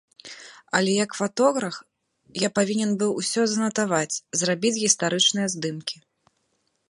Але як фатограф, я павінен быў усё занатаваць, зрабіць гістарычныя здымкі.